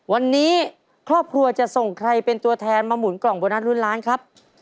วันนี้ครอบครัวจะส่งใครเป็นตัวแทนมาหมุนกล่องโบนัสลุ้นล้านครับ